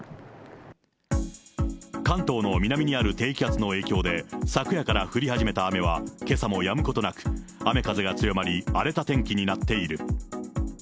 関東の南にある低気圧の影響で、昨夜から降り始めた雨は、けさもやむことはなく、雨風が強まり、荒れた天気になっている。